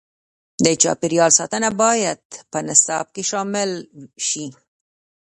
د چاپیریال ساتنه باید په نصاب کې شامل شي.